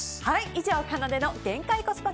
以上、かなでの限界コスパ